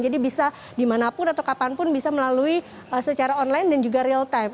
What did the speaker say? jadi bisa dimanapun atau kapanpun bisa melalui secara online dan juga real time